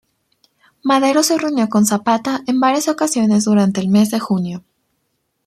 Madero se reunió con Zapata en varias ocasiones durante el mes de junio.